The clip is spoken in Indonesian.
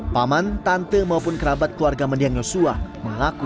paman tante maupun kerabat keluarga mendiang yosua mengaku